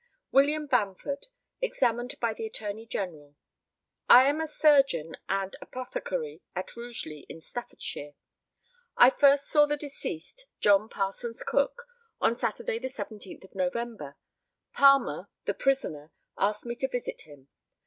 WILLIAM BAMFORD, examined by the ATTORNEY GENERAL: I am a surgeon and apothecary at Rugeley, in Staffordshire. I first saw the deceased, John Parsons Cook, on Saturday, the 17th of November. Palmer, the prisoner, asked me to visit him.